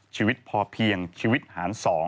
ชีวิตพอเพียงชีวิตหาร๒